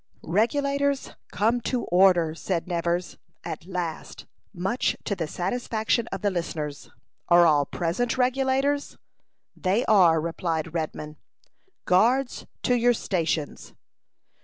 "Regulators, come to order!" said Nevers, at last, much to the satisfaction of the listeners. "Are all present Regulators?" "They are," replied Redman. "Guards, to your stations."